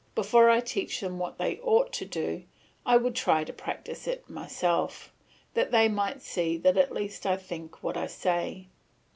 Before I teach them what they ought to do, I would try to practise it myself, that they might see that at least I think what I say.